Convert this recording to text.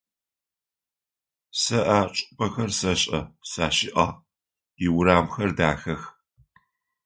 Сэ а чӏыпӏэхэр сэшӏэ, сащыӏагъ, иурамхэр дахэх.